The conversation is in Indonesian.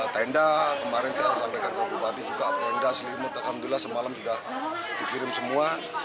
tenda kemarin saya sampaikan ke bupati juga tenda selimut alhamdulillah semalam sudah dikirim semua